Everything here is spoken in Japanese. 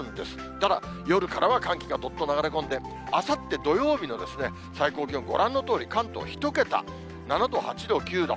ただ、夜からは寒気がどっと流れ込んで、あさって土曜日の最高気温、ご覧のとおり、関東１桁、７度、８度、９度。